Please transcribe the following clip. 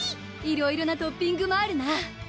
いろいろなトッピングもあるな